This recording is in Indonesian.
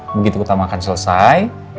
begitu kita makan selesai